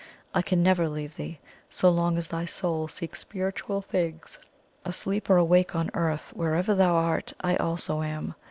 I can never leave thee so long as thy soul seeks spiritual things. Asleep or awake on the Earth, wherever thou art, I also am.